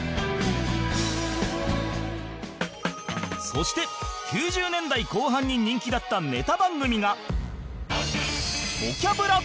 そして９０年代後半に人気だったネタ番組が